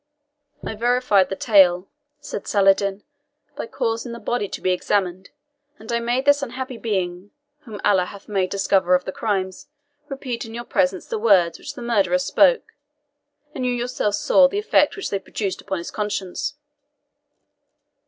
"I verified the tale," said Saladin, "by causing the body to be examined; and I made this unhappy being, whom Allah hath made the discoverer of the crime, repeat in your own presence the words which the murderer spoke; and you yourselves saw the effect which they produced upon his conscience!"